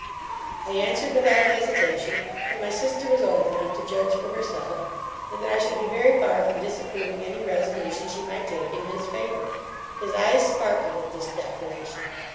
I answered without hesitation, that my sister was old enough to judge for herself; and that I should be very far from disapproving any resolution she might take in his favour. His eyes sparkled at this declaration.